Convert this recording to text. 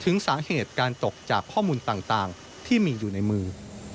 ถึงสาเหตุการตกจากข้อมูลต่างที่มีอยู่ในมือ